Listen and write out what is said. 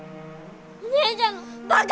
お姉ちゃんのバカ！